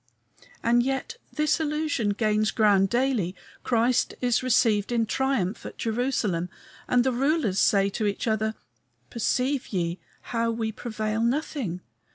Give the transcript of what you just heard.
And yet this illusion gains ground daily; Christ is received in triumph at Jerusalem, and the rulers say to each other, "Perceive ye how we prevail nothing?